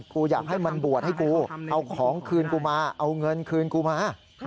กูอยากให้มันบวชให้กูเอาของคืนกูมาเอาเงินคืนกูมา